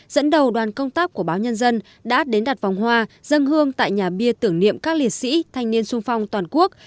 dẫn đầu đoàn công tác của báo nhân dân đã đến đặt vòng hoa dân hương tại nhà bia tưởng niệm các liệt sĩ thanh niên sung phong toàn quốc